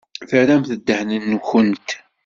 Terramt ddehn-nwent.